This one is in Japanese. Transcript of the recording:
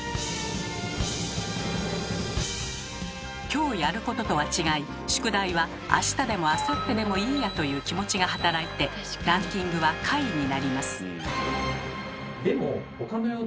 きょうやることとは違い宿題は「あしたでもあさってでもいいや」という気持ちが働いてランキングは下位になります。